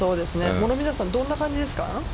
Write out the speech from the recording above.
諸見里さん、どんな感じですか。